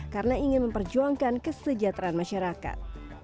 karena ingin memperjuangkan kesejahteraan masyarakat